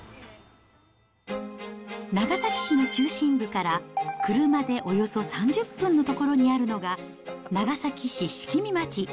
長崎市の中心部から車でおよそ３０分のところにあるのが、長崎市式見町。